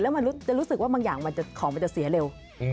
มันจะรู้สึกว่าบางอย่างของมันจะเสียเร็ว